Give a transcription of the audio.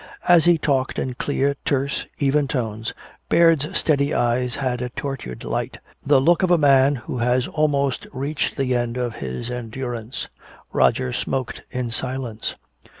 As he talked in clear, terse, even tones, Baird's steady eyes had a tortured light, the look of a man who has almost reached the end of his endurance. Roger smoked in silence.